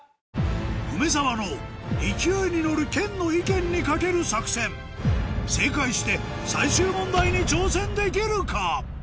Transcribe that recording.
梅沢の勢いに乗る研の意見に懸ける作戦正解して最終問題に挑戦できるか？